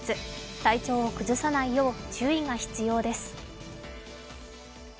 体調を崩さないよう注意が必要です。